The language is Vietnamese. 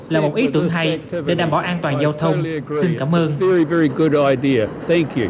là một ý tưởng hay để đảm bảo an toàn giao thông xin cảm ơn